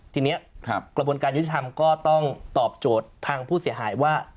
ทีนี้กระบวนการยุติธรรมก็ต้องตอบโจทย์ทางผู้เสียหายว่า